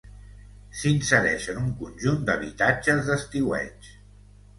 S'insereix en un conjunt d'habitatges d'estiueig.